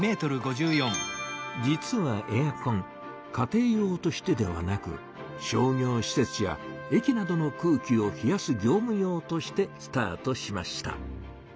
実はエアコン家庭用としてではなく商業しせつや駅などの空気を冷やす業む用としてスタートしました。